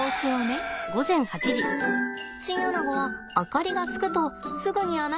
チンアナゴは明かりがつくとすぐに穴から出てきます。